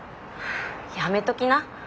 やめときな。